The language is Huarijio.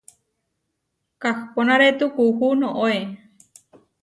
Kahponarétu kuú noóe.